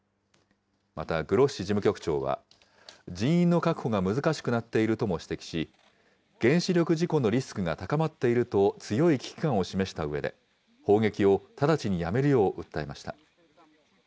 また、グロッシ事務局長は人員の確保が難しくなっているとも指摘し、原子力事故のリスクが高まっていると強い危機感を示したうえで、砲撃を直ちにやめるよう訴えました。